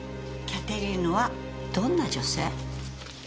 キャテリーヌはどんな女性？